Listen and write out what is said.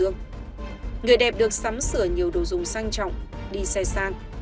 người đẹp được sắm sửa nhiều đồ dùng sang trọng đi xe sang